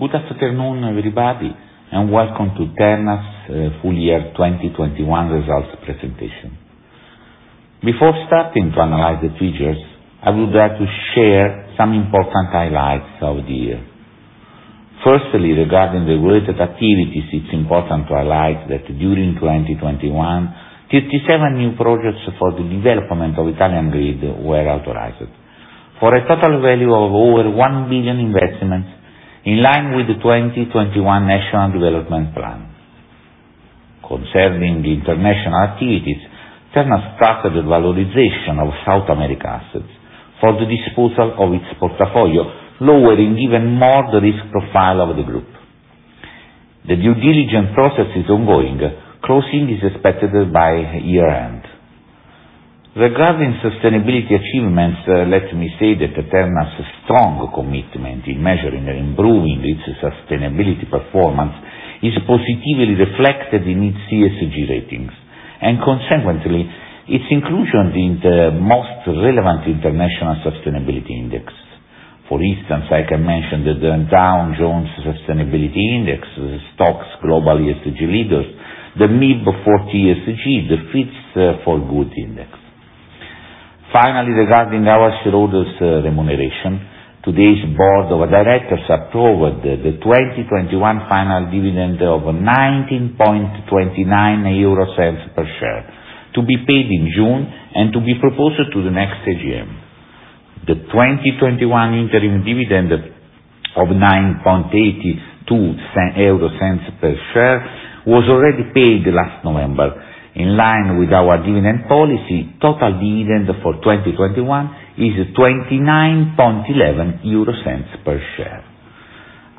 Good afternoon, everybody, and welcome to Terna's full year 2021 results presentation. Before starting to analyze the features, I would like to share some important highlights of the year. Firstly, regarding the weighted activities, it's important to highlight that during 2021, 57 new projects for the development of Italian grid were authorized for a total value of over 1 billion in investments, in line with the 2021 National Development Plan. Concerning the International Activities, Terna started the valorization of South America assets for the disposal of its portfolio, lowering even more the risk profile of the group. The due diligence process is ongoing. Closing is expected by year-end. Regarding sustainability achievements, let me say that Terna's strong commitment in measuring and improving its sustainability performance is positively reflected in its ESG ratings, and consequently, its inclusion in the most relevant international sustainability index. For instance, I can mention the Dow Jones Sustainability Index, the STOXX Global ESG Leaders, the MIB ESG Index, the FTSE4Good Index. Finally, regarding our shareholders' remuneration, today's board of directors approved the 2021 final dividend of 0.1929 euro per share, to be paid in June and to be proposed to the next AGM. The 2021 interim dividend of 0.0982 per share was already paid last November. In line with our dividend policy, total dividend for 2021 is 0.2911 per share.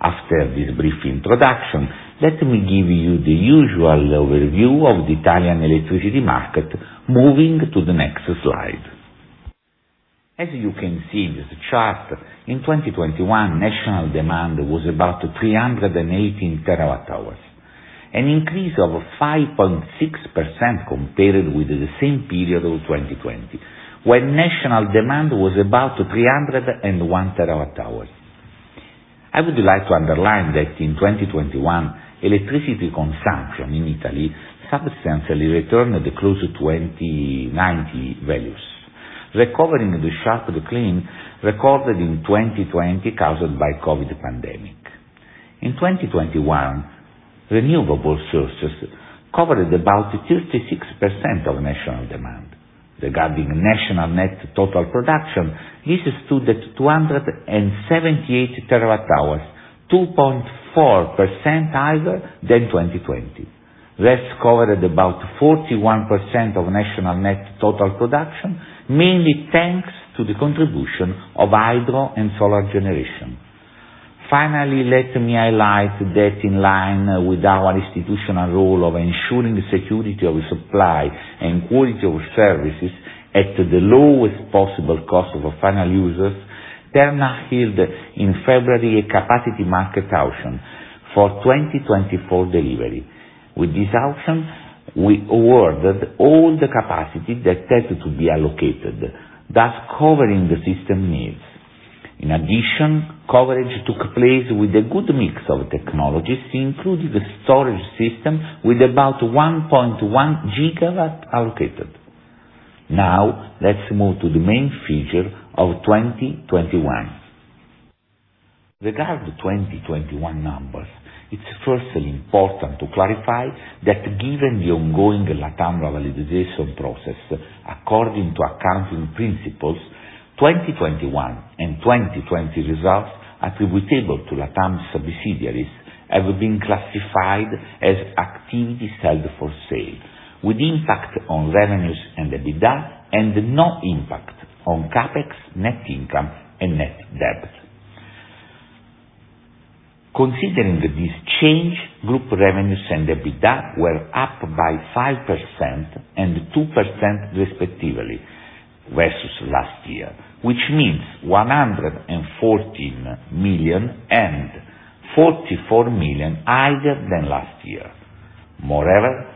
After this brief introduction, let me give you the usual overview of the Italian electricity market, moving to the next slide. As you can see in this chart, in 2021, national demand was about 318 TWh, an increase of 5.6% compared with the same period of 2020, when national demand was about 301 TWh. I would like to underline that in 2021, electricity consumption in Italy substantially returned close to 2019 values, recovering the sharp decline recorded in 2020 caused by COVID-19 pandemic. In 2021, renewable sources covered about 56% of national demand. Regarding national net total production, this stood at 278 terawatt-hours, 2.4% higher than 2020. This covered about 41% of national net total production, mainly thanks to the contribution of hydro and solar generation. Finally, let me highlight that in line with our institutional role of ensuring the security of supply and quality of services at the lowest possible cost of our final users, Terna held in February a Capacity Market auction for 2024 delivery. With this auction, we awarded all the capacity that had to be allocated, thus covering the system needs. In addition, coverage took place with a good mix of technologies, including the storage system with about 1.1 GW allocated. Now, let's move to the main feature of 2021. Regarding the 2021 numbers, it's firstly important to clarify that given the ongoing LatAm revaluation process, according to accounting principles, 2021 and 2020 results attributable to LatAm's subsidiaries have been classified as assets held for sale, with impact on revenues and EBITDA and no impact on CapEx, net income and net debt. Considering this change, group revenues and EBITDA were up by 5% and 2% respectively versus last year, which means 114 million and 44 million higher than last year. Moreover,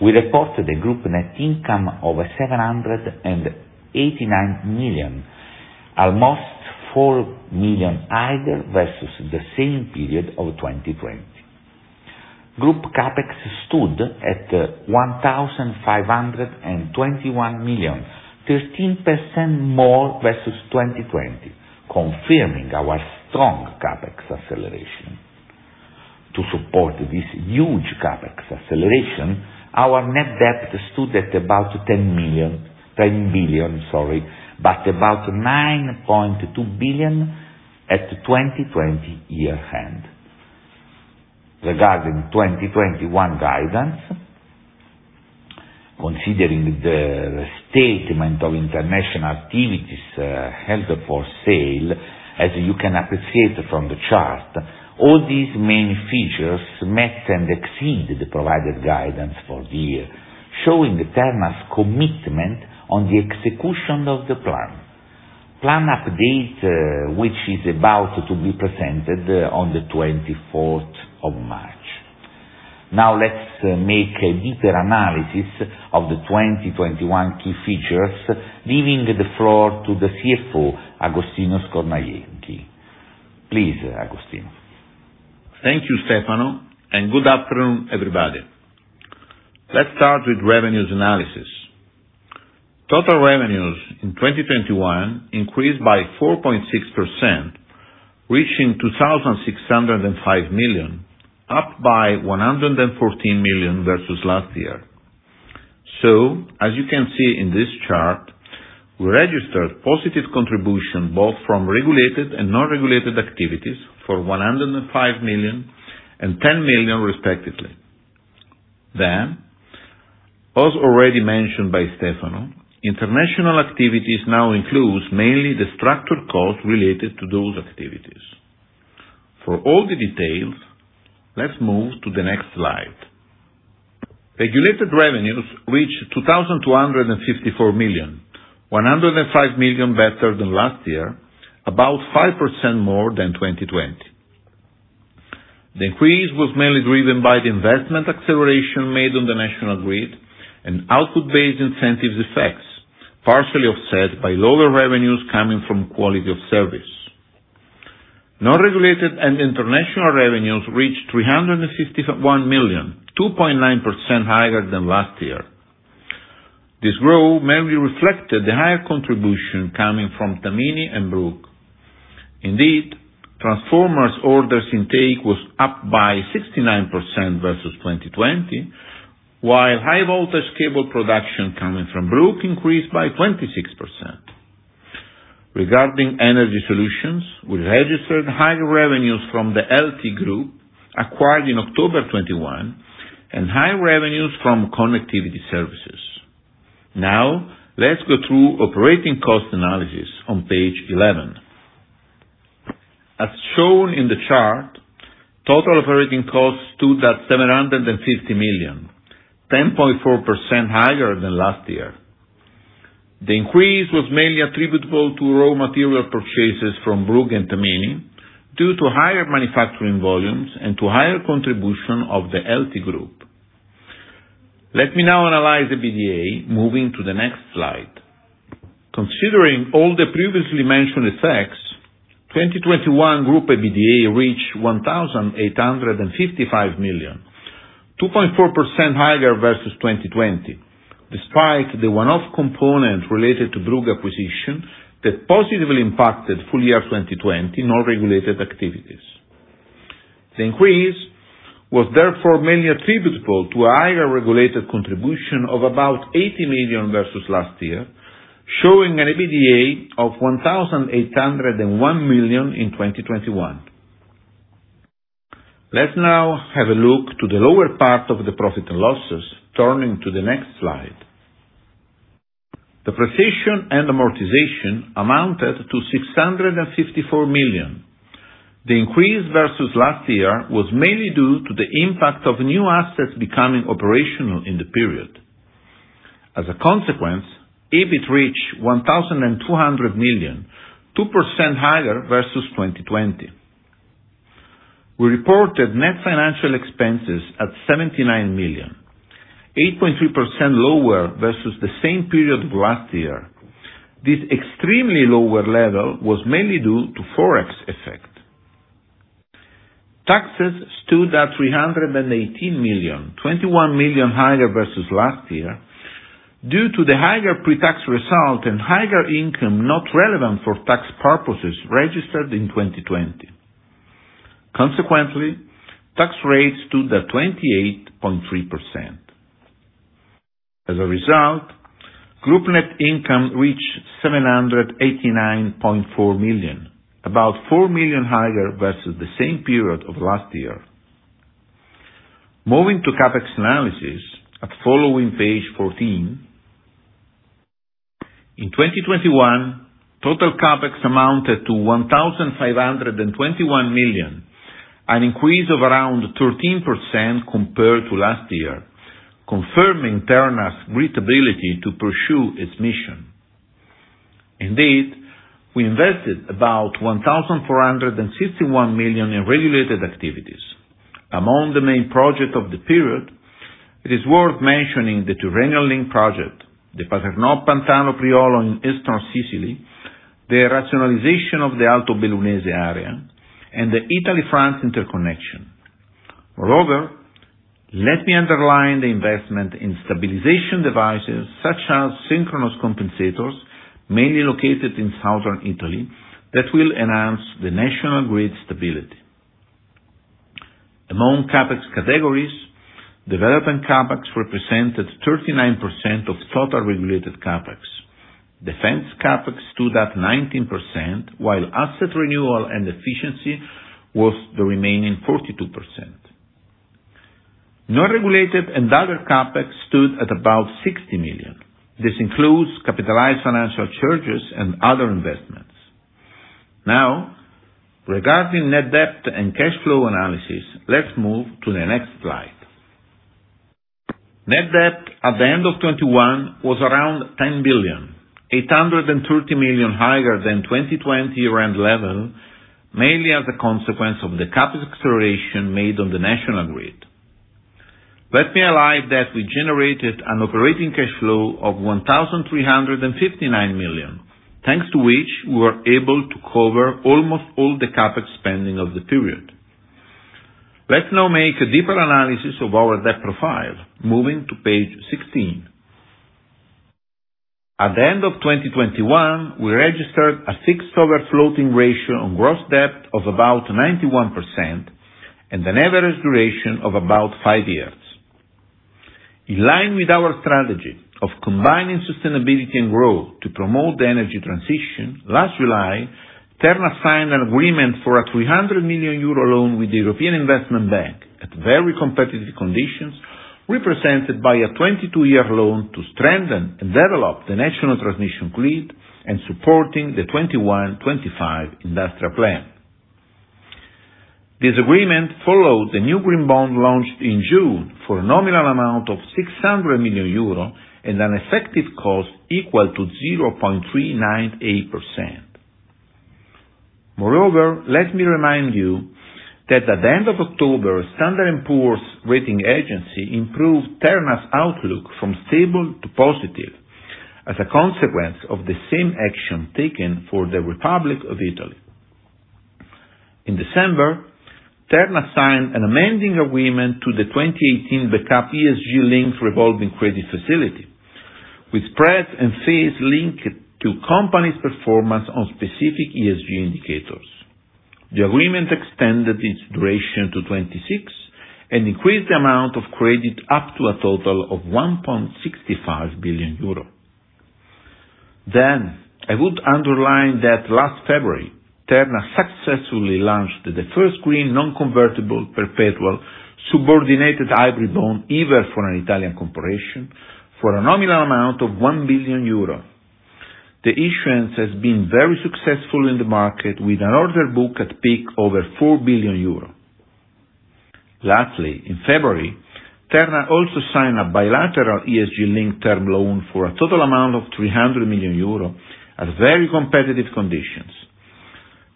we reported a group net income of 789 million, almost 4 million higher versus the same period of 2020. Group CapEx stood at 1,521 million, 13% more versus 2020, confirming our strong CapEx acceleration. To support this huge CapEx acceleration, our net debt stood at about 10 billion, sorry, but about 9.2 billion at 2020 year-end. Regarding 2021 guidance, considering the statement of International Activities held for sale, as you can appreciate from the chart, all these main features met and exceeded the provided guidance for the year, showing Terna's commitment on the execution of the plan. Plan update, which is about to be presented on the 24th of March. Now let's make a deeper analysis of the 2021 key features, leaving the floor to the CFO, Agostino Scornajenchi. Please, Agostino. Thank you, Stefano, and good afternoon, everybody. Let's start with revenues analysis. Total revenues in 2021 increased by 4.6%, reaching 2,605 million, up by 114 million versus last year. As you can see in this chart, we registered positive contribution both from Regulated and Non-Regulated Activities for 105 million, and 10 million respectively. As already mentioned by Stefano, International Activities now includes mainly the structured costs related to those activities. For all the details, let's move to the next slide. Regulated revenues reached 2,254 million, 105 million better than last year, about 5% more than 2020. The increase was mainly driven by the investment acceleration made on the national grid and output-based incentives effects, partially offset by lower revenues coming from quality of service. Non-Regulated and International revenues reached 351 million, 2.9% higher than last year. This growth mainly reflected the higher contribution coming from Tamini and Brugg. Indeed, transformers orders intake was up by 69% versus 2020, while high voltage cable production coming from Brugg increased by 26%. Regarding Energy Solutions, we registered higher revenues from the LT Group acquired in October 2021, and high revenues from Connectivity services. Now, let's go through operating cost analysis on page 11. As shown in the chart, total operating costs stood at 750 million, 10.4% higher than last year. The increase was mainly attributable to raw material purchases from Brugg and Tamini due to higher manufacturing volumes and to higher contribution of the LT Group. Let me now analyze the EBITDA, moving to the next slide. Considering all the previously mentioned effects, 2021 group EBITDA reached 1,855 million, 2.4% higher versus 2020, despite the one-off component related to Brugg acquisition that positively impacted full year 2020 Non-Regulated activities. The increase was therefore mainly attributable to a higher regulated contribution of about 80 million versus last year, showing an EBITDA of 1,801 million in 2021. Let's now have a look to the lower part of the profit and loss, turning to the next slide. Depreciation and amortization amounted to 654 million. The increase versus last year was mainly due to the impact of new assets becoming operational in the period. As a consequence, EBIT reached 1,200 million, 2% higher versus 2020. We reported net financial expenses at 79 million, 8.3% lower versus the same period of last year. This extremely lower level was mainly due to Forex effect. Taxes stood at 318 million, 21 million higher versus last year due to the higher pre-tax result and higher income not relevant for tax purposes registered in 2020. Consequently, tax rates stood at 28.3%. As a result, group net income reached 789.4 million, about 4 million higher versus the same period of last year. Moving to CapEx analysis at following page 14. In 2021, total CapEx amounted to 1,521 million, an increase of around 13% compared to last year, confirming Terna's great ability to pursue its mission. Indeed, we invested about 1,461 million in Regulated Activities. Among the main projects of the period, it is worth mentioning the Tyrrhenian Link project, the Paternò Pantano Priolo in Eastern Sicily, the rationalization of the Alto Bellunese area, and the Italy-France interconnection. Moreover, let me underline the investment in stabilization devices such as synchronous compensators, mainly located in Southern Italy, that will enhance the national grid stability. Among CapEx categories, development CapEx represented 39% of total Regulated CapEx. Defense CapEx stood at 19%, while asset renewal and efficiency was the remaining 42%. Non-Regulated and other CapEx stood at about 60 million. This includes capitalized financial charges and other investments. Now, regarding net debt and cash flow analysis, let's move to the next slide. Net debt at the end of 2021 was around 10.83 billion higher than 2020 around EUR 11 billion, mainly as a consequence of the CapEx acceleration made on the national grid. Let me highlight that we generated an operating cash flow of 1,359 million, thanks to which we were able to cover almost all the CapEx spending of the period. Let's now make a deeper analysis of our debt profile, moving to page 16. At the end of 2021, we registered a fixed over floating ratio on gross debt of about 91% and an average duration of about five years. In line with our strategy of combining sustainability and growth to promote the energy transition, last July, Terna signed an agreement for a 300 million euro loan with the European Investment Bank at very competitive conditions, represented by a 22-year loan to strengthen and develop the national transmission grid and supporting the 2021-2025 industrial plan. This agreement followed the new green bond launched in June for a nominal amount of 600 million euro and an effective cost equal to 0.398%. Moreover, let me remind you that at the end of October, Standard & Poor's rating agency improved Terna's outlook from stable to positive as a consequence of the same action taken for the Republic of Italy. In December, Terna signed an amending agreement to the 2018 back-up ESG-linked revolving credit facility, with spreads and fees linked to company's performance on specific ESG indicators. The agreement extended its duration to 2026 and increased the amount of credit up to a total of 1.65 billion euro. I would underline that last February, Terna successfully launched the first green non-convertible, perpetual, subordinated hybrid bond ever for an Italian corporation for a nominal amount of 1 billion euro. The issuance has been very successful in the market with an order book at peak over 4 billion euro. Lastly, in February, Terna also signed a bilateral ESG-linked term loan for a total amount of 300 million euro at very competitive conditions.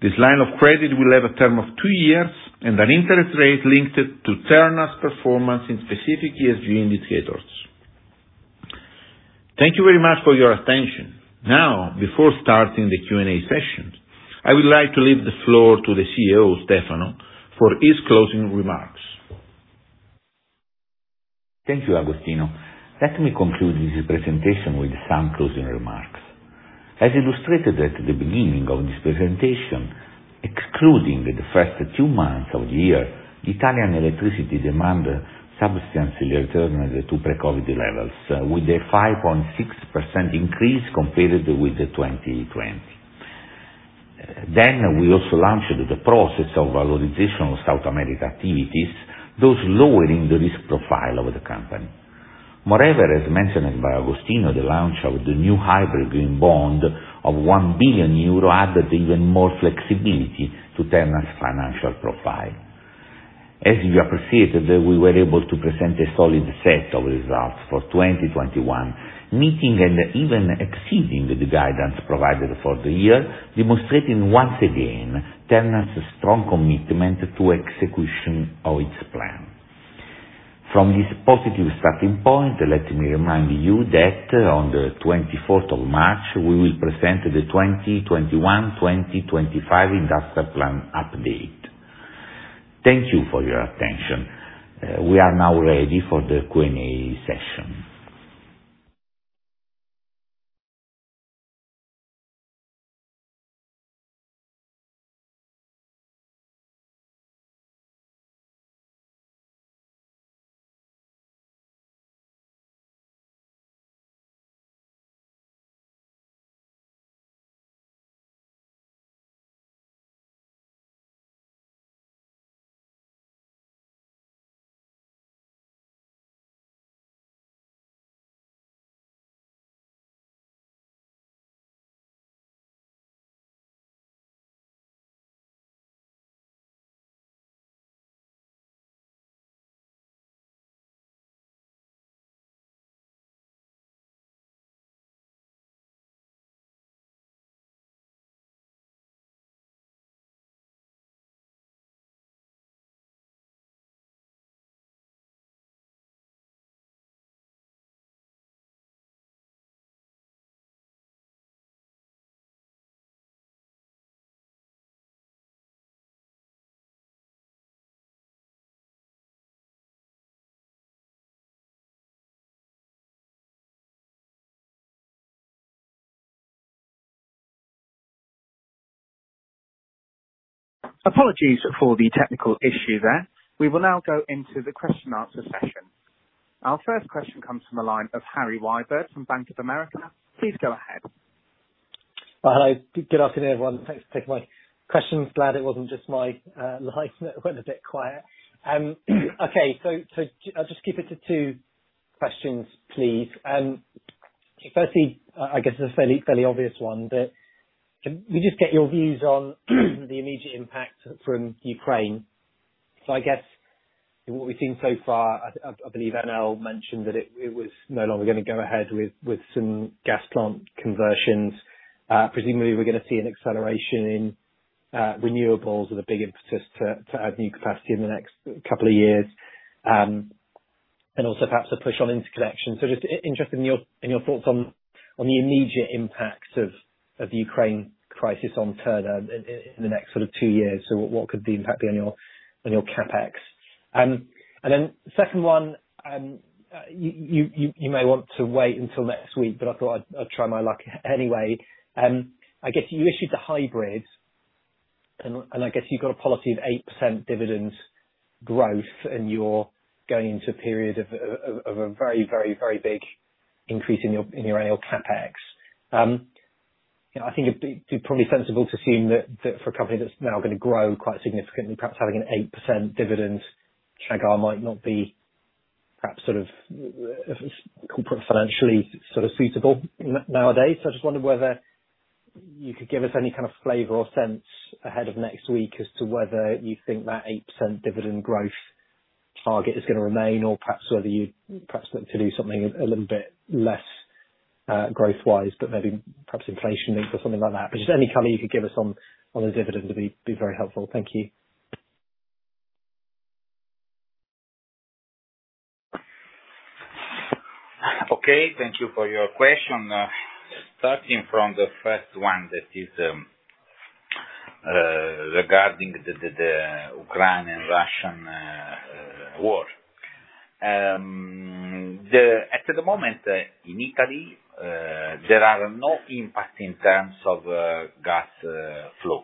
This line of credit will have a term of two years and an interest rate linked to Terna's performance in specific ESG indicators. Thank you very much for your attention. Now, before starting the Q&A session, I would like to leave the floor to the CEO, Stefano, for his closing remarks. Thank you, Agostino. Let me conclude this presentation with some closing remarks. As illustrated at the beginning of this presentation, excluding the first two months of the year, Italian electricity demand substantially returned to pre-COVID levels, with a 5.6% increase compared with the 2020. We also launched the process of valorization of South America activities, thus lowering the risk profile of the company. Moreover, as mentioned by Agostino, the launch of the new hybrid green bond of 1 billion euro added even more flexibility to Terna's financial profile. As you appreciated, we were able to present a solid set of results for 2021, meeting and even exceeding the guidance provided for the year, demonstrating once again Terna's strong commitment to execution of its plan. From this positive starting point, let me remind you that on the 24th of March, we will present the 2021, 2025 industrial plan update. Thank you for your attention. We are now ready for the Q&A session. Apologies for the technical issue there. We will now go into the question answer session. Our first question comes from the line of Harry Wyburd from Bank of America. Please go ahead. Hi. Good afternoon, everyone. Thanks for taking my questions. Glad it wasn't just my line that went a bit quiet. Okay, I'll just keep it to two questions, please. Firstly, I guess it's a fairly obvious one, but can we just get your views on the immediate impact from Ukraine? I guess what we've seen so far, I believe Enel mentioned that it was no longer gonna go ahead with some gas plant conversions. Presumably we're gonna see an acceleration in renewables with a big impetus to add new capacity in the next couple of years. Also perhaps a push on interconnection. Just interested in your thoughts on the immediate impacts of the Ukraine crisis on Terna in the next sort of two years, so what could the impact be on your CapEx? Second one, you may want to wait until next week, but I thought I'd try my luck anyway. I guess you issued the hybrids and I guess you've got a policy of 8% dividend growth, and you're going into a period of a very big increase in your annual CapEx. You know, I think it'd be probably sensible to assume that for a company that's now gonna grow quite significantly, perhaps having an 8% dividend target might not be perhaps sort of corporate financially sort of suitable nowadays. I just wondered whether you could give us any kind of flavor or sense ahead of next week as to whether you think that 8% dividend growth target is gonna remain, or perhaps whether you'd perhaps look to do something a little bit less growth wise, but maybe perhaps inflation link or something like that. Just any color you could give us on those dividends would be very helpful. Thank you. Okay. Thank you for your question. Starting from the first one, that is, regarding the Ukraine and Russian war. At the moment, in Italy, there are no impact in terms of gas flow.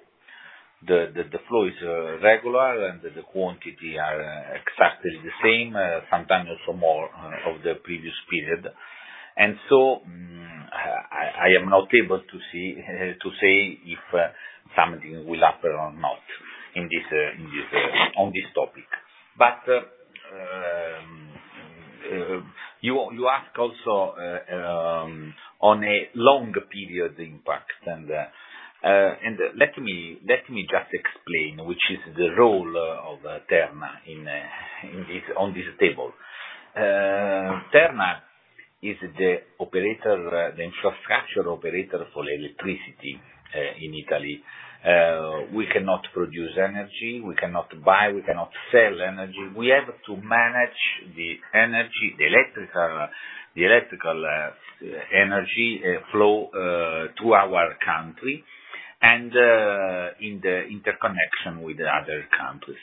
The flow is regular, and the quantity are exactly the same, sometimes also more of the previous period. I am not able to say if something will happen or not on this topic. You ask also on a longer period impact, and let me just explain which is the role of Terna in this on this table. Terna is the operator, the infrastructure operator for electricity in Italy. We cannot produce energy, we cannot buy, we cannot sell energy. We have to manage the energy, the electrical energy flow to our country and in the interconnection with the other countries.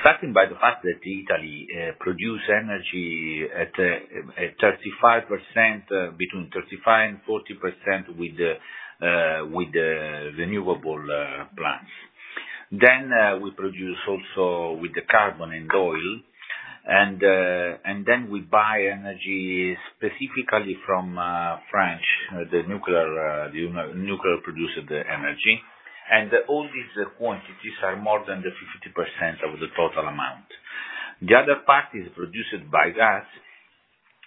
Starting by the fact that Italy produce energy at between 35% and 40% with the renewable plants. We produce also with the carbon and oil, and then we buy energy specifically from France, the nuclear produced energy. All these quantities are more than 50% of the total amount. The other part is produced by gas,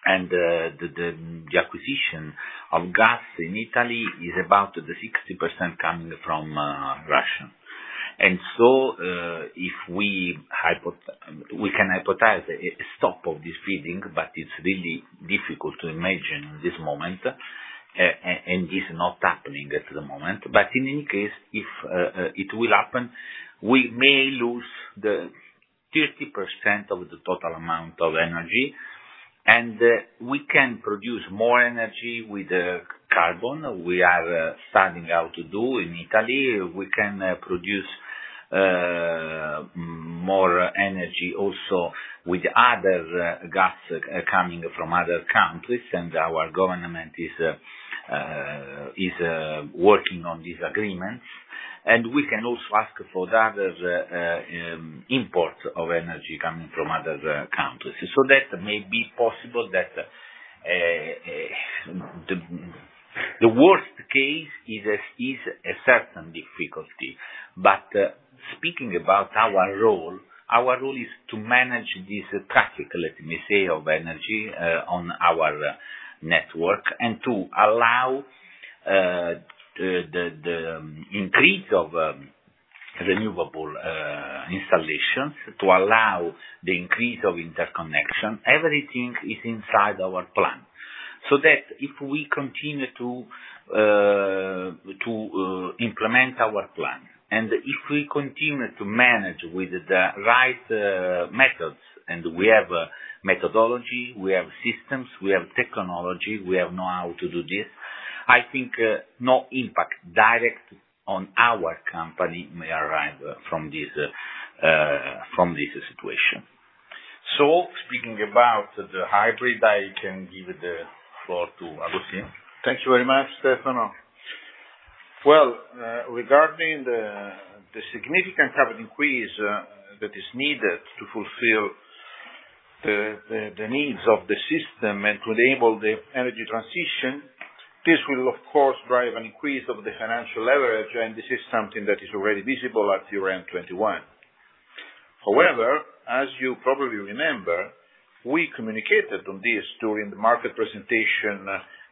and the acquisition of gas in Italy is about 60% coming from Russia. We can hypothesize a stop of this feeding, but it's really difficult to imagine this moment, and it's not happening at the moment. In any case, if it will happen, we may lose 30% of the total amount of energy. We can produce more energy with the carbon we are starting out to do in Italy. We can produce more energy also with other gas coming from other countries, and our government is working on these agreements. We can also ask for the other import of energy coming from other countries. That may be possible that the worst case is a certain difficulty. Speaking about our role, our role is to manage this traffic, let me say, of energy, on our network, and to allow the increase of renewable installations to allow the increase of interconnection. Everything is inside our plan. That if we continue to implement our plan, and if we continue to manage with the right methods, and we have methodology, we have systems, we have technology, we have now to do this. I think no impact direct on our company may arrive from this situation. Speaking about the hybrid, I can give the floor to Agostino. Thank you very much, Stefano. Well, regarding the significant CapEx increase that is needed to fulfill the needs of the system and to enable the energy transition, this will of course drive an increase of the financial leverage, and this is something that is already visible at year-end 2021. However, as you probably remember, we communicated on this during the market presentation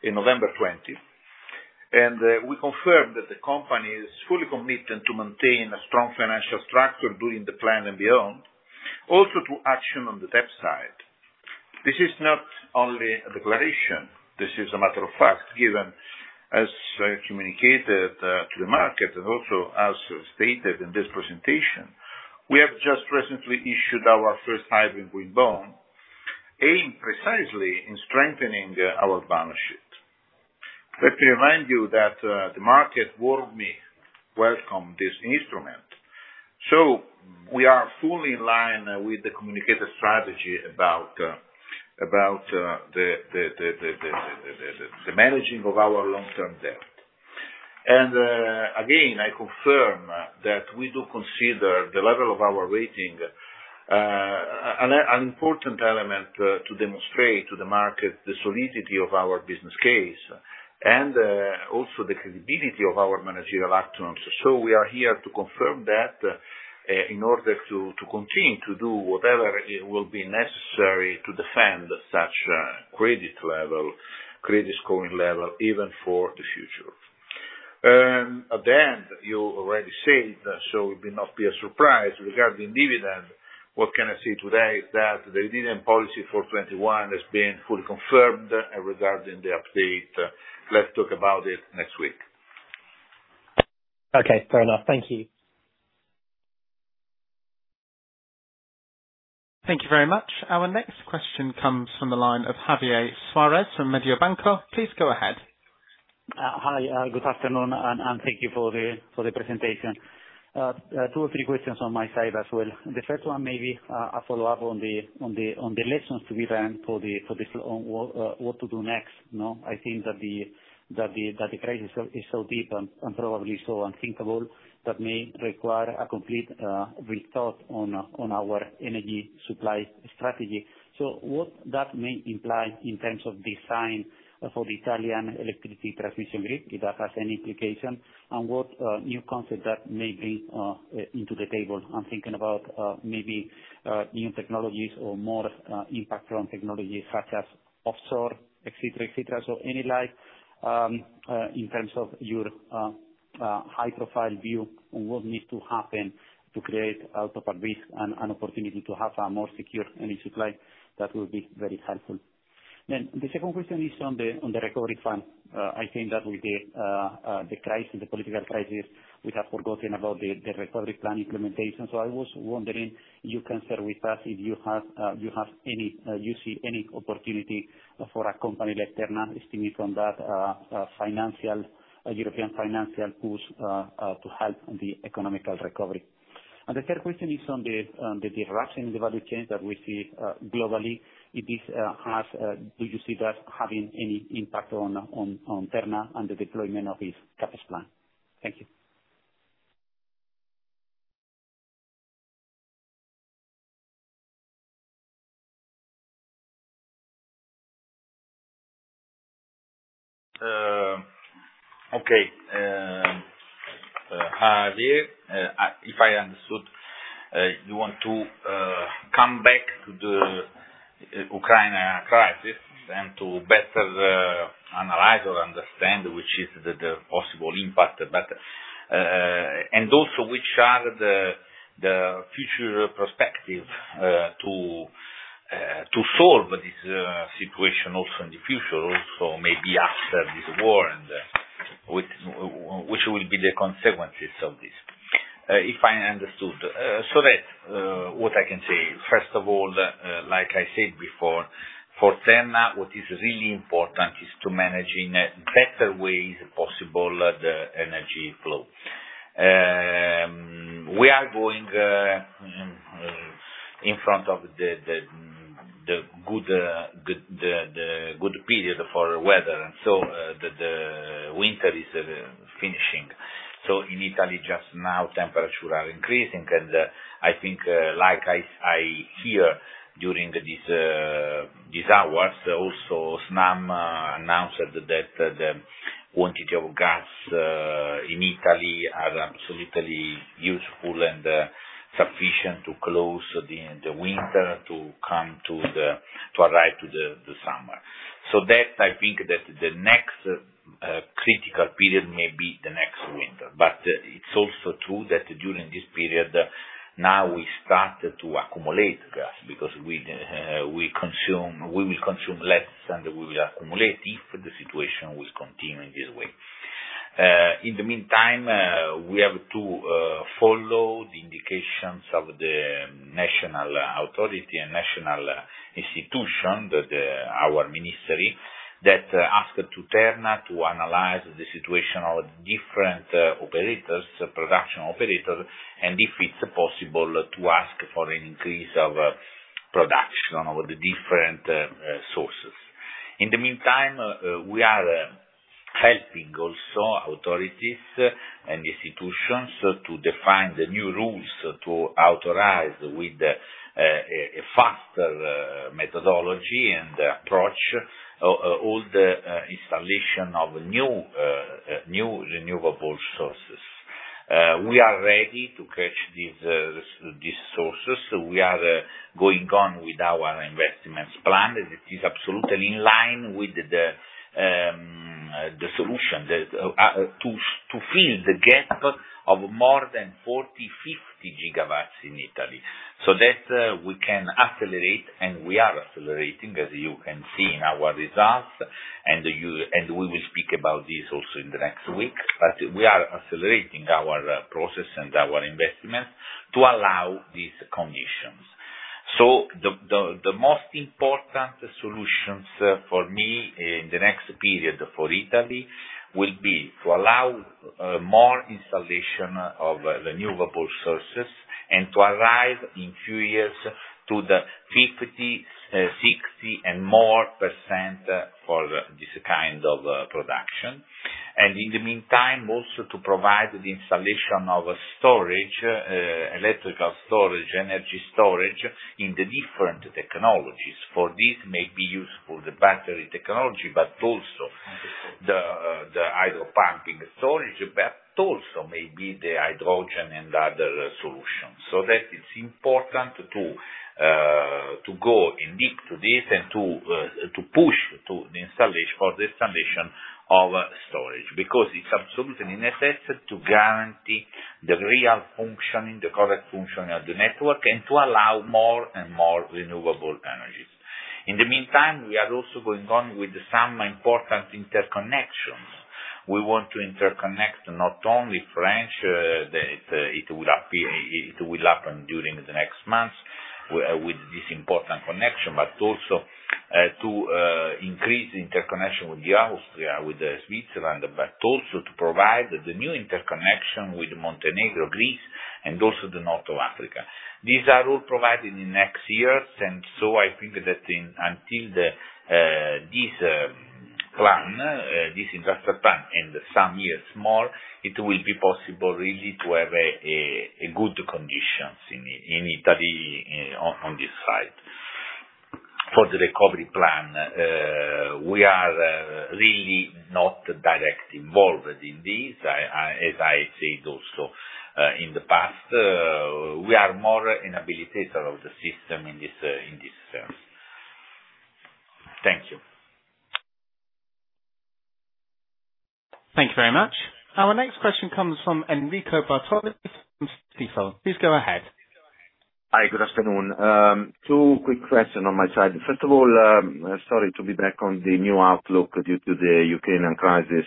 in November 2020. We confirmed that the company is fully committed to maintain a strong financial structure during the plan and beyond, also to action on the debt side. This is not only a declaration, this is a matter of fact given, as communicated to the market and also as stated in this presentation, we have just recently issued our first hybrid green bond, aimed precisely in strengthening our balance sheet. Let me remind you that the market warmly welcomed this instrument. We are fully in line with the communicated strategy about the managing of our long-term debt. I confirm that we do consider the level of our rating an important element to demonstrate to the market the solidity of our business case and also the credibility of our managerial actions. We are here to confirm that in order to continue to do whatever will be necessary to defend such a credit level, credit scoring level, even for the future. At the end, you already said, so it will not be a surprise. Regarding dividend, what can I say today is that the dividend policy for 2021 has been fully confirmed, and regarding the update, let's talk about it next week. Okay. Fair enough. Thank you. Thank you very much. Our next question comes from the line of Javier Suarez from Mediobanca. Please go ahead. Hi. Good afternoon, and thank you for the presentation. Two or three questions on my side as well. The first one may be a follow-up on the lessons to be learned on what to do next, no? I think that the crisis is so deep and probably so unthinkable that may require a complete rethought on our energy supply strategy. What that may imply in terms of design for the Italian electricity transmission grid, if that has any implication, and what new concept that may bring into the table. I'm thinking about maybe new technologies or more impact from technologies such as offshore, et cetera. Any light in terms of your high profile view on what needs to happen to create out of a risk an opportunity to have a more secure energy supply, that will be very helpful. The second question is on the recovery fund. I think that with the crisis, the political crisis, we have forgotten about the recovery plan implementation. I was wondering if you can share with us if you see any opportunity for a company like Terna to benefit from that European financial boost to help the economic recovery. The third question is on the disruption in the value chain that we see globally. If this has do you see that having any impact on Terna and the deployment of its CapEx plan? Thank you. Okay, Javier, if I understood, you want to come back to the Ukraine crisis and to better analyze or understand which is the possible impact, but and also which are the future perspective to solve this situation also in the future, also maybe after this war and which will be the consequences of this? If I understood. What I can say, first of all, like I said before, for Terna, what is really important is to managing a better way if possible the energy flow. We are going in front of the good period for weather. The winter is finishing. In Italy just now, temperatures are increasing, and I think, like I hear during these hours, also Snam announced that the quantity of gas in Italy are absolutely useful and sufficient to close the winter to come to the to arrive to the summer. That I think that the next critical period may be the next winter. It's also true that during this period, now we started to accumulate gas because we will consume less, and we will accumulate if the situation will continue in this way. In the meantime, we have to follow the indications of the national authority and national institution that our ministry that ask to Terna to analyze the situation of different operators, production operators, and if it's possible to ask for an increase of production of the different sources. In the meantime, we are helping also authorities and institutions to define the new rules to authorize with a faster methodology and approach all the installation of new renewable sources. We are ready to catch these sources. We are going on with our investments plan. It is absolutely in line with the solution to fill the gap of more than 40-50 GW in Italy. That we can accelerate, and we are accelerating, as you can see in our results, and we will speak about this also in the next week. We are accelerating our process and our investment to allow these conditions. The most important solutions for me in the next period for Italy will be to allow more installation of renewable sources and to arrive in two years to 50%-60% and more for this kind of production. In the meantime, also to provide the installation of storage, electrical storage, energy storage in the different technologies. For this may be used for the battery technology, but also the hydro pumping storage, but also may be the hydrogen and other solutions. That is important to go in deep to this and to push for the installation of storage, because it's absolutely necessary to guarantee the real functioning, the correct functioning of the network, and to allow more and more renewable energies. In the meantime, we are also going on with some important interconnections. We want to interconnect not only France, it will happen during the next months with this important connection, but also to increase the interconnection with Austria, with Switzerland, but also to provide the new interconnection with Montenegro, Greece, and also North Africa. These are all provided in the next years, and so I think that in... Until this infrastructure plan, in some years more, it will be possible really to have a good conditions in Italy on this side. For the recovery plan, we are really not directly involved in this. As I said also in the past, we are more an enabler of the system in this service. Thank you. Thank you very much. Our next question comes from Enrico Bartoli from Stifel. Please go ahead. Hi, good afternoon. Two quick questions on my side. First of all, sorry to be back on the new outlook due to the Ukrainian crisis.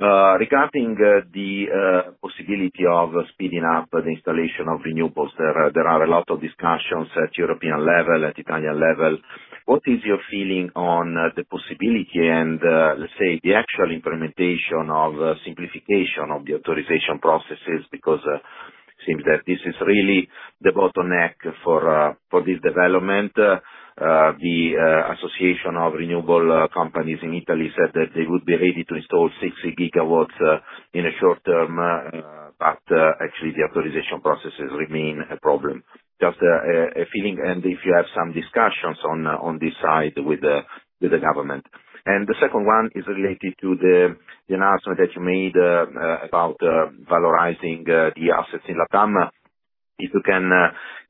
Regarding the possibility of speeding up the installation of renewables, there are a lot of discussions at European level, at Italian level. What is your feeling on the possibility and, let's say, the actual implementation of simplification of the authorization processes? Because it seems that this is really the bottleneck for this development. The association of renewable companies in Italy said that they would be ready to install 60 GW in a short term, but actually the authorization processes remain a problem. Just a feeling, and if you have some discussions on this side with the government. The second one is related to the announcement that you made about valorizing the assets in LatAm. If you can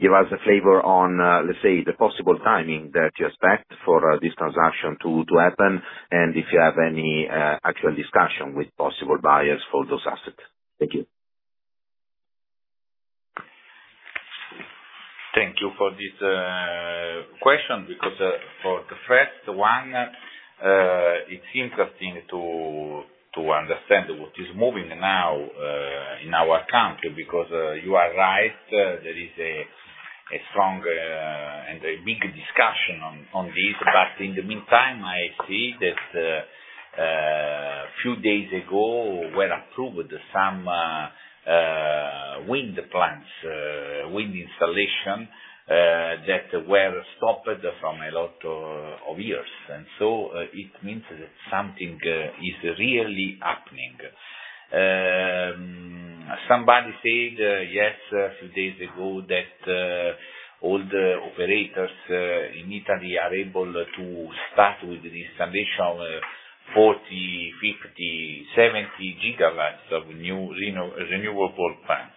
give us a flavor on, let's say, the possible timing that you expect for this transaction to happen, and if you have any actual discussion with possible buyers for those assets. Thank you. Thank you for this question because for the first one it's interesting to understand what is moving now in our country because you are right there is a strong and a big discussion on this. In the meantime I see that a few days ago were approved some wind plants wind installation that were stopped from a lot of years. It means that something is really happening. Somebody said yes a few days ago that all the operators in Italy are able to start with the installation of 40, 50, 70 GW of new renewable plants.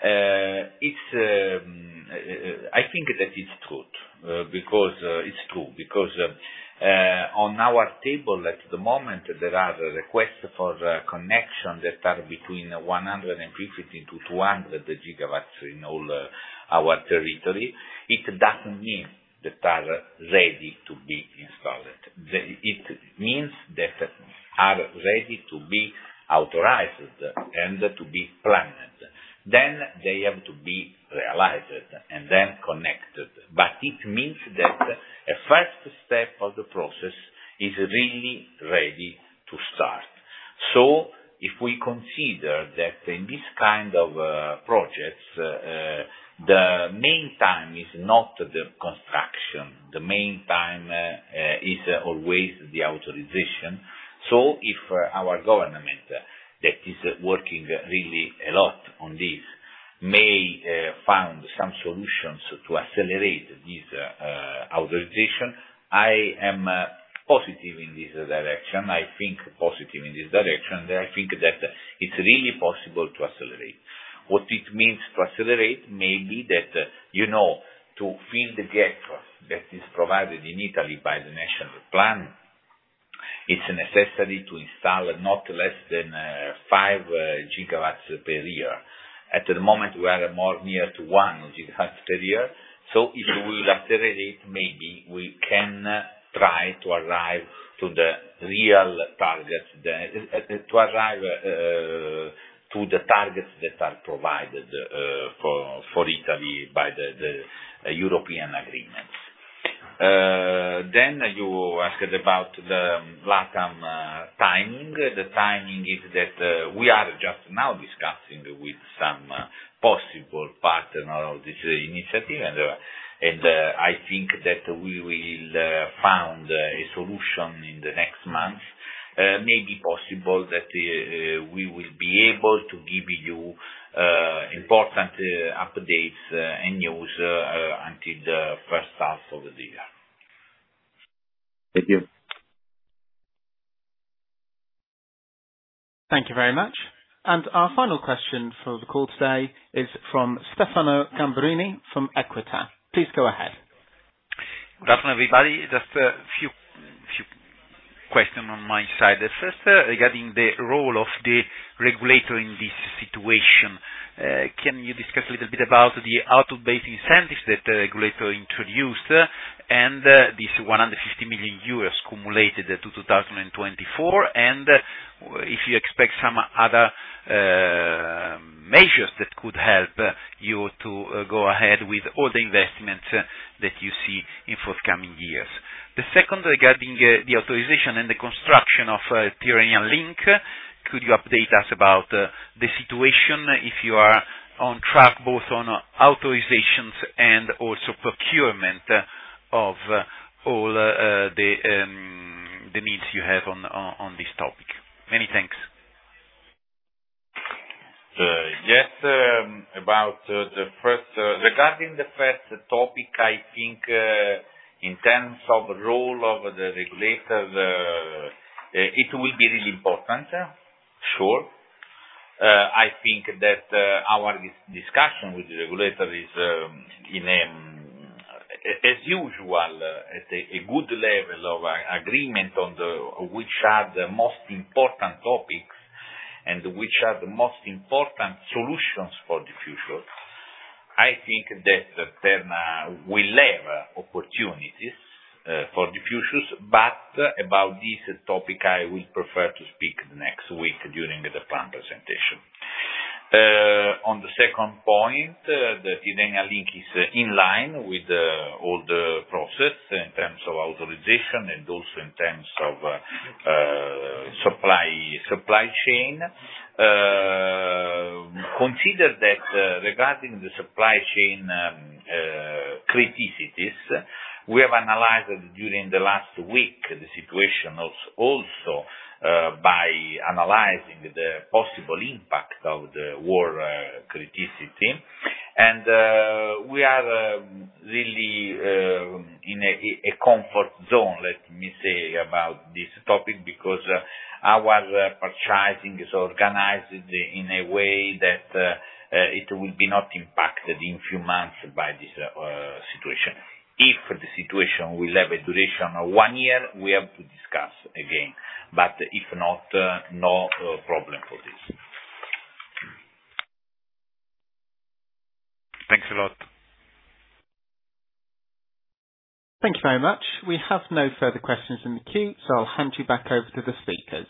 I think that it's good because... It's true because on our table at the moment, there are requests for connection that are between 150-200 GW in all our territory. It doesn't mean that are ready to be installed. It means that are ready to be authorized and to be planned. Then they have to be realized and then connected. But it means that a first step of the process is really ready to start. If we consider that in this kind of projects, the main time is not the construction, the main time is always the authorization. If our government that is working really a lot on this matter found some solutions to accelerate this authorization. I am positive in this direction. I think that it's really possible to accelerate. What it means to accelerate may be that, you know, to fill the gap that is provided in Italy by the national plan, it's necessary to install not less than 5 GW per year. At the moment, we are more near to 1 GW per year. If we will accelerate, maybe we can try to arrive to the targets that are provided for Italy by the European agreements. Then you asked about the LatAm timing. The timing is that we are just now discussing with some possible partner of this initiative. And I think that we will find a solution in the next months. Maybe possible that we will be able to give you important updates and news until the first half of the year. Thank you. Thank you very much. Our final question for the call today is from Stefano Gamberini from Equita. Please go ahead. Good afternoon, everybody. Just a few questions on my side. First, regarding the role of the regulator in this situation, can you discuss a little bit about the output-based incentives that the regulator introduced and this 150 million euros cumulated to 2024? If you expect some other measures that could help you to go ahead with all the investments that you see in forthcoming years. Second, regarding the authorization and the construction of Tyrrhenian Link, could you update us about the situation, if you are on track, both on authorizations and also procurement of all the needs you have on this topic? Many thanks. Yes. Regarding the first topic, I think, in terms of the role of the regulator, it will be really important, sure. I think that our discussion with the regulator is in, as usual, at a good level of agreement on which are the most important topics and which are the most important solutions for the future. I think that Terna will have opportunities, for the futures, but about this topic, I will prefer to speak next week during the plan presentation. On the second point, the Tyrrhenian Link is in line with all the process in terms of authorization and also in terms of supply chain. Consider that, regarding the supply chain criticalities, we have analyzed during the last week the situation also by analyzing the possible impact of the war criticality. We are really in a comfort zone, let me say, about this topic. Because our purchasing is organized in a way that it will be not impacted in few months by this situation. If the situation will have a duration of one year, we have to discuss again. If not, no problem for this. Thanks a lot. Thank you very much. We have no further questions in the queue, so I'll hand you back over to the speakers.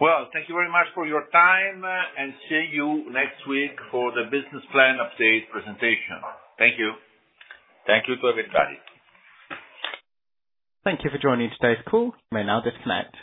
Well, thank you very much for your time, and see you next week for the business plan update presentation. Thank you. Thank you to everybody. Thank you for joining today's call. You may now disconnect.